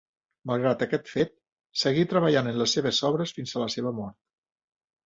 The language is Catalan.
Malgrat aquest fet, seguí treballant en les seves obres fins a la seva mort.